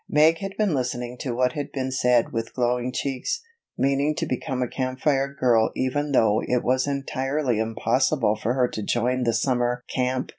Meg had been listening to what had been said with glowing cheeks, meaning to become a Camp Fire girl even though it was entirely impossible for her to join the summer camp.